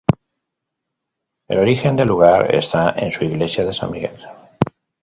El origen del lugar está en su iglesia de San Miguel.